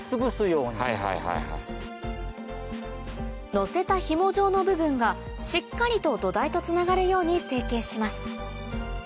のせたひも状の部分がしっかりと土台とつながるように成形します